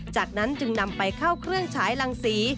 จากนั้นจึงนำไปเข้าเครื่องฉายรังสี